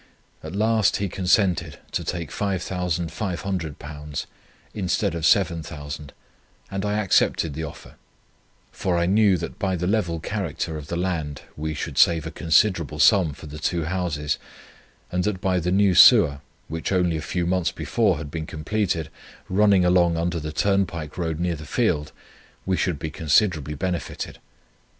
At last he consented to take £5,500 instead of £7,000, and I accepted the offer; for I knew that by the level character of the land we should save a considerable sum for the two houses, and that by the new sewer, which only a few months before had been completed, running along under the turnpike road near the field, we should be considerably benefited.